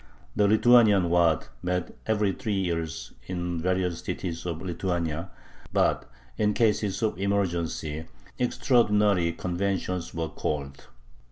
The Lithuanian Waad met every three years in various cities of Lithuania, but in cases of emergency extraordinary conventions were called.